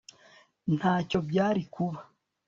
Ntacyo byari kuba